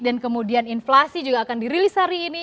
dan kemudian inflasi juga akan dirilis hari ini